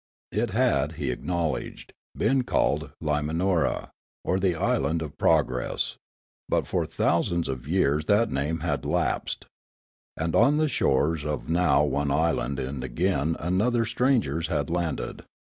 It had, he acknowledged, been called Limanora, or the island of progress; but for thousands of years' that name had lapsed. And on the shores of now one island and again another strangers had landed.